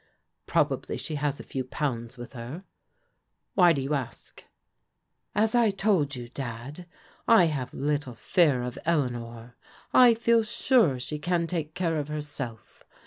Probably she has a few pounds with her. Why do you ask? "" As I told you, Dad, I have little fear of Eleanor. I feel sure she can take care of herself.